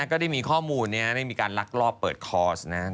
ก็ได้มีข้อมูลเนี่ยได้มีการลักลอบเปิดคอร์สนะฮะ